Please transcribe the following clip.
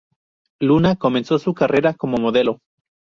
Luna comenzó su carrera como modelo.